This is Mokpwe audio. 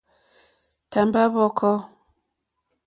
Tàmbá hwɔ̄kɔ̄.